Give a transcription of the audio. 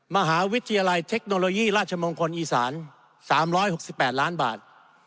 มหาวิทยาลัยเทคโนโลยีราชมงคลอีสาน๓๖๘ล้านบาท